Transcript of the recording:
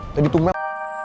tadi tuh mel